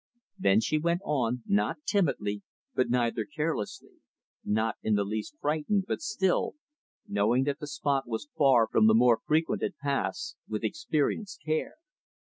Then she went on not timidly, but neither carelessly; not in the least frightened, but still, knowing that the spot was far from the more frequented paths, with experienced care.